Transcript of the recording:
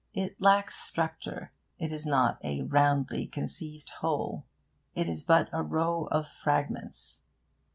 It lacks structure. It is not a roundly conceived whole: it is but a row of fragments.